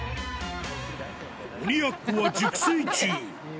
鬼奴は熟睡中。